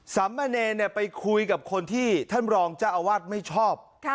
สามเมณียนต์เนี่ยไปคุยกับคนที่ท่านมรองจ้าอาวาสไม่ชอบ